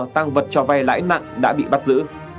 tăng vật cho vay lãi nặng đã bị bắt giữ